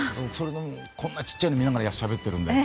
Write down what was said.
こんなちっちゃいの見ながらしゃべってるので。